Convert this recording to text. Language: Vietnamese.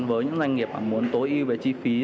với những doanh nghiệp mà muốn tối ưu về chi phí